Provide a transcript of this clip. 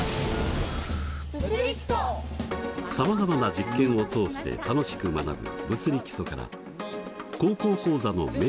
さまざまな実験を通して楽しく学ぶ「物理基礎」から「高校講座」の名物講師